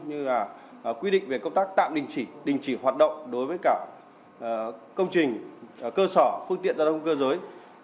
như là quy định về công tác tạm đình chỉ đình chỉ hoạt động đối với cả công trình cơ sở phương tiện gia đông cơ giới